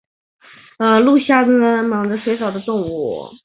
隐密裂囊猛水蚤为双囊猛水蚤科裂囊猛水蚤属的动物。